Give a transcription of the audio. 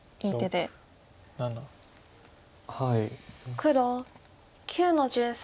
黒９の十三。